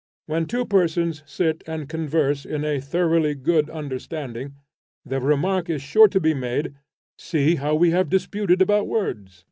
When two persons sit and converse in a thoroughly good understanding, the remark is sure to be made, See how we have disputed about words!